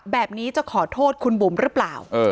แบบนี้จะขอโทษคุณบุ๋มหรือเปล่า